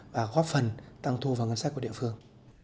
và góp phần tăng thu vào ngân sách của địa phương